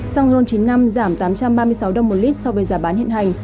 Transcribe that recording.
xăng ron chín mươi năm giảm tám trăm ba mươi sáu đồng một lít